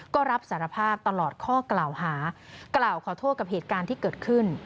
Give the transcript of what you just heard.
ก็รับสารภาพตลอดข้อกล่าวหากล่าวขอโทษกับเหตุการณ์ที่เกิดขึ้น